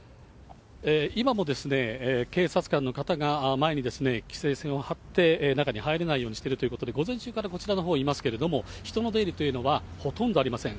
今も警察官の方が前に規制線を張って、中に入れないようにしてるということで、午前中からこちらのほういますけれども、人の出入りというのはほとんどありません。